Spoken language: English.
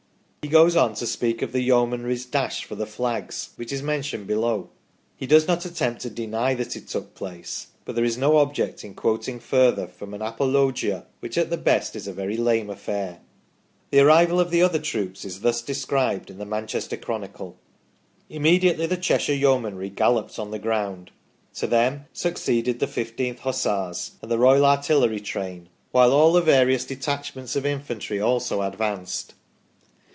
He goes on to speak of the Yeomanry's dash for the flags, which is mentioned below. He does not attempt to deny that it took place ; but there is no object in quoting further from an apologia which at the best is a very lame affair. The arrival of the other troops is thus described in the " Man chester Chronicle" :" Immediately the Cheshire Yeomanry galloped on the ground ; to them succeeded the 1 5th Hussars, and the Royal Artillery train ; while all the various detachments of infantry also advanced